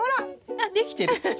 あっできてる。